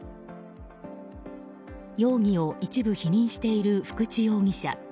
容疑を一部否認している福地容疑者。